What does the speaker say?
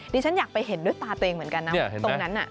ดิฉันอยากไปเห็นด้วยตาตัวเองเหมือนกันนะ